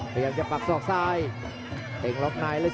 พยายามจะปักศอกซ้าย